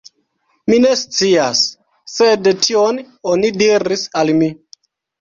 Mi ne scias, sed tion oni diris al mi.